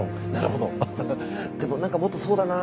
でも何かもっとそうだな